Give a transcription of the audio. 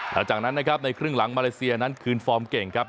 หลังจากนั้นนะครับในครึ่งหลังมาเลเซียนั้นคืนฟอร์มเก่งครับ